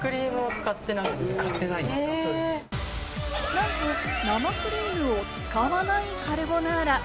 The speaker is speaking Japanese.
なんと生クリームを使わないカルボナーラ。